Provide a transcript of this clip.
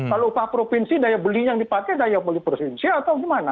kalau upah provinsi daya beli yang dipakai daya beli provinsi atau gimana